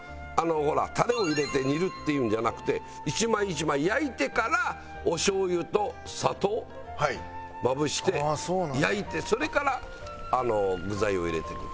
ほらタレを入れて煮るっていうんじゃなくて１枚１枚焼いてからお醤油と砂糖をまぶして焼いてそれから具材を入れていく。